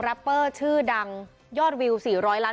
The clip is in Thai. รัปเปอร์ชื่อดังยอดวิวสี่ร้อยล้าน